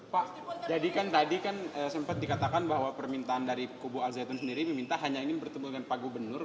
pak jadi kan tadi kan sempat dikatakan bahwa permintaan dari kubu al zaitun sendiri diminta hanya ingin bertemu dengan pak gubernur